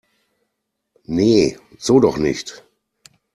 Nee, so doch nicht!